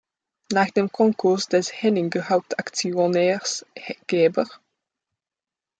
Nach dem Konkurs des Henninger-Hauptaktionärs "Gebr.